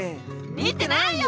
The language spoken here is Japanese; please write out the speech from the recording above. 「見てないよ」